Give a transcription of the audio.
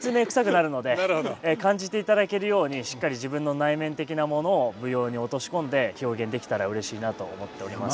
感じていただけるようにしっかり自分の内面的なものを舞踊に落とし込んで表現できたらうれしいなと思っております。